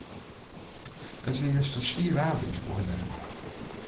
It wie juster swier waar by ús buorlju.